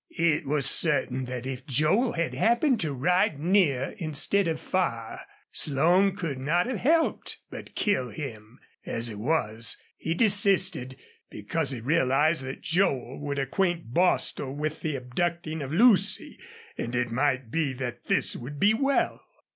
It was certain that if Joel had happened to ride near instead of far, Slone could not have helped but kill him. As it was, he desisted because he realized that Joel would acquaint Bostil with the abducting of Lucy, and it might be that this would be well.